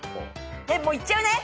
もういっちゃうね。